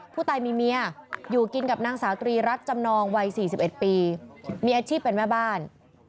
ผู้ตายมีเมียอยู่กินกับนางสาวตรีรัฐจำนองวัย๔๑ปีมีอาชีพเป็นแม่บ้าน